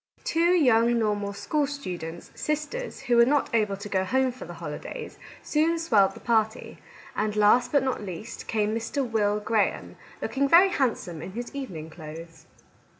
Two young normal school students, sisters, who were not able to go home for the holidays, soon swelled the party, and last, but not least, came Mr. Will Graham, looking very handsome in his evening clothes.